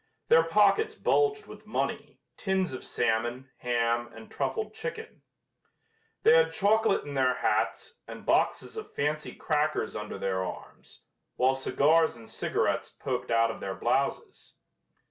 Their pockets bulged with money, tins of salmon, ham and truffled chicken. They had chocolate in their hats and boxes of fancy crackers under their arms, while cigars and cigarettes poked out of their blouses.